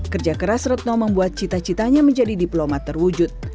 kerja keras retno membuat cita citanya menjadi diplomat terwujud